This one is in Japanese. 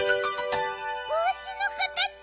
ぼうしのかたち！